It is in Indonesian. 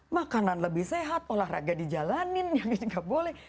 makanan lebih sehat olahraga dijalanin ya ini gak boleh